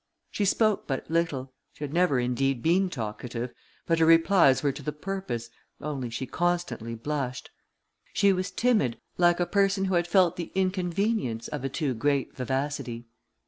She spoke but little, she had never indeed been talkative, but her replies were to the purpose, only she constantly blushed. She was timid, like a person who had felt the inconvenience of a too great vivacity.